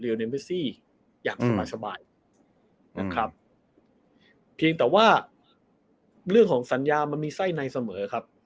อย่างสบายสบายนะครับเพียงแต่ว่าเรื่องของสัญญามันมีไส้ในเสมอครับ